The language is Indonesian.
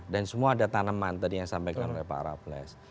dan semua ada tanaman tadi yang sampaikan oleh pak raffles